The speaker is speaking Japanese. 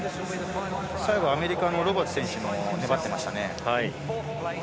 最後、アメリカのロバーツ選手も粘っていましたね。